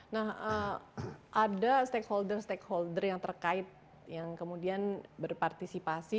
nah ada stakeholder stakeholder yang terkait yang kemudian berpartisipasi